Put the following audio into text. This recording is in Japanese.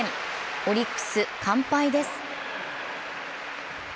オリックス、完敗です。